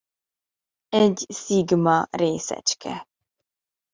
Egy szigma részecske.